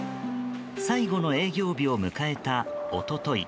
最後の営業日を迎えた一昨日。